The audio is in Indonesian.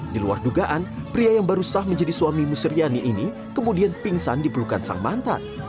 di luar dugaan pria yang baru sah menjadi suami musriani ini kemudian pingsan dipelukan sang mantan